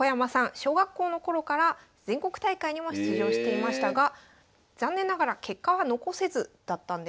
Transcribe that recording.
小学校の頃から全国大会にも出場していましたが残念ながら結果は残せずだったんです。